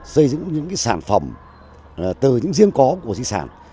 xây dựng những sản phẩm từ những riêng có của di sản